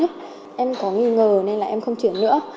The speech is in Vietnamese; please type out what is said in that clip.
em có nghi ngờ nên là em không chuyển nữa